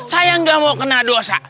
saya nggak mau kena dosa